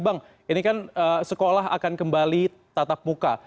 bang ini kan sekolah akan kembali tatap muka